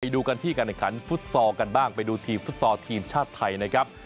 ดูกันที่การแข่งขันฟุตซอลกันบ้างไปดูทีมฟุตซอลทีมชาติไทยนะครับ